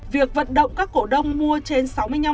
việc vận động các cổ đông mua trên sáu mươi năm